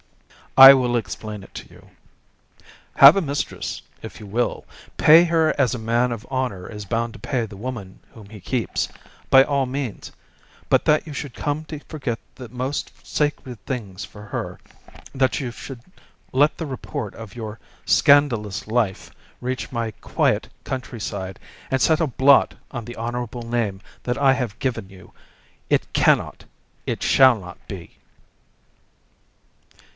"I will explain it to you. Have a mistress if you will; pay her as a man of honour is bound to pay the woman whom he keeps, by all means; but that you should come to forget the most sacred things for her, that you should let the report of your scandalous life reach my quiet countryside, and set a blot on the honourable name that I have given you, it can not, it shall not be."